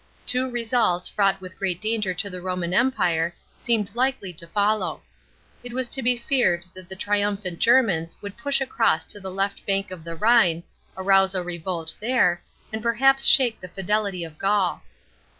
Two results, fraught with great danger to the Roman Empire, seemed likely to follow. It was to be feared that the triumphant Germans would push across to the left bank of the Rhine, arouse a revolt there, and perhaps shake the fidelity of Gaul.